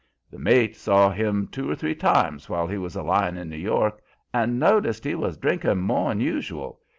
The mate saw him two or three times while he was a lyin' in New York, and noticed he was drinkin' more 'n usual.